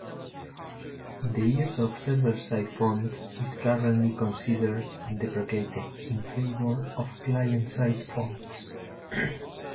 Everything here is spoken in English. The use of server-side fonts is currently considered deprecated in favour of client-side fonts.